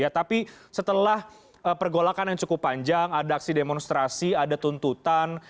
tapi setelah pergolakan yang cukup panjang ada aksi demonstrasi ada tuntutan